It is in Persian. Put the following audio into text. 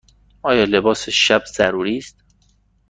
آیا لباس شب ضروری است؟